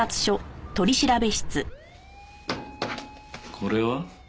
これは？